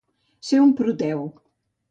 Ser un Proteu.